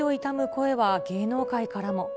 声は芸能界からも。